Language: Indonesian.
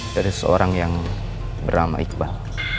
dari seorang yang bernama iqbal